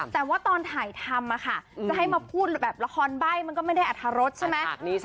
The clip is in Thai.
แต่ว่าตอนถ่ายทำจะให้มาพูดแบบละครใบ้มันก็ไม่ได้อรรถรสใช่ไหม